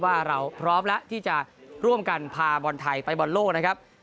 ว่าเราพร้อมแล้วที่จะร่วมกันพาบอลไทยไปบอลโลกนะครับ